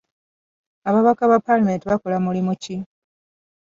Ababaka ba paalamenti bakola mulimu ki?